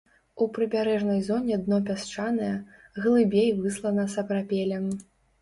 У прыбярэжнай зоне дно пясчанае, глыбей выслана сапрапелем.